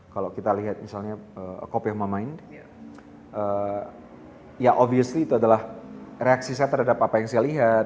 kalau kita lihat misalnya a cop you have my mind ya obviously itu adalah reaksi saya terhadap apa yang saya lihat